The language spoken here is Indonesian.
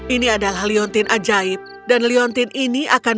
ini adalah leontin ajaib dan leontin ini akan mengembangku